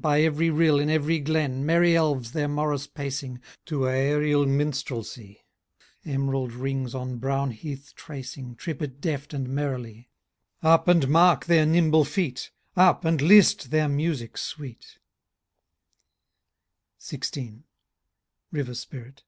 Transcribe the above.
By every rill, in every glen, Merry elves their morris pacing, To aerial minstrelsy, Emerald rings on brown heath tracing. Trip it deft and merrily. Up, and mark their nimble feet ! Up, and list their music sweet I" — XVI. RIVBR SPIRIT.